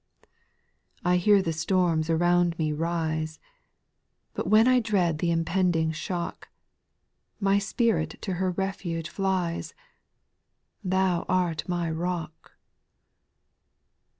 ) 4. I hear the storms around me rise, But when I dread th' impending shock. My spirit to her refuge flies ;— Thou art my rock.